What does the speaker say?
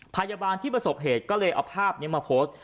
พยาบาลที่ประสบเหตุก็เลยเอาภาพนี้มาโพสต์